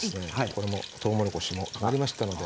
これもとうもろこしも揚がりましたので。